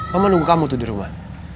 mama nunggu kamu tuh di rumah